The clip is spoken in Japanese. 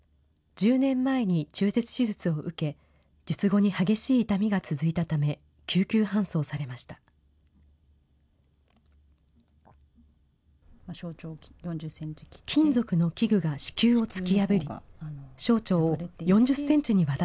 １０年前に中絶手術を受け、術後に激しい痛みが続いたため、救急搬送されました。